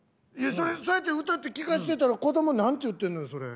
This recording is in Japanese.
そうやって歌って聞かしてたら子供何て言ってんのよそれ。